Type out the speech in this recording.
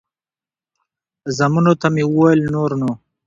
زامنو ته مې وویل نور نو.